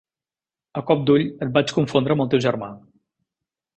A cop d'ull et vaig confondre amb el teu germà.